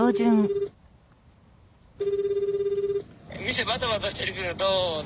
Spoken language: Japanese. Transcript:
店バタバタしてるけどどうぞ。